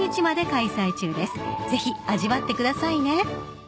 ［ぜひ味わってくださいね］